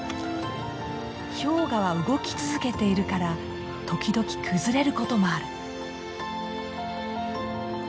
氷河は動き続けているから時々崩れることもある。